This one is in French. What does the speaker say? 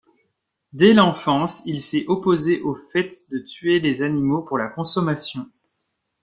Dès l'enfance, il s'est opposé au fait de tuer les animaux pour la consommation.